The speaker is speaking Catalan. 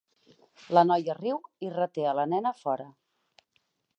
La noia riu i reté a la nena a fora.